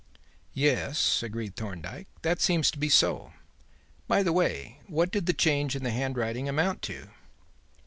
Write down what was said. "Yes," agreed Thorndyke, "that seems to be so. By the way, what did the change in the handwriting amount to?"